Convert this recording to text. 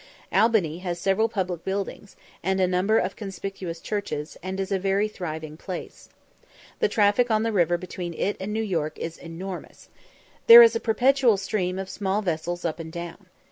Albany has several public buildings, and a number of conspicuous churches, and is a very thriving place. The traffic on the river between it and New York is enormous. There is a perpetual stream of small vessels up and down.